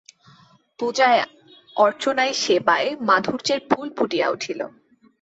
পূজায় অর্চনায় সেবায় মাধুর্যের ফুল ফুটিয়া উঠিল।